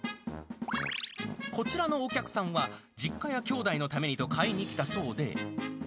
こちらのお客さんは、実家やきょうだいのためにと買いに来たそうで。